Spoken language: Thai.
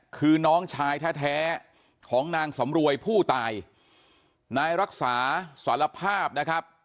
คือน้องชายแท้แท้ของนางสำรวยผู้ตายนายรักษาสารภาพนะครับ